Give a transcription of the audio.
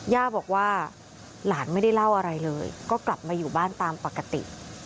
ย่าบอกว่าหลานไม่ได้เล่าอะไรเลยก็กลับมาอยู่บ้านตามปกติ